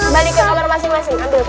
balik ke kamar masing masing ambil kertas ya